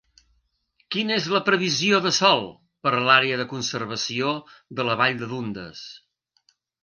Quina és la previsió de sol per a l'àrea de conservació de la Vall de Dundas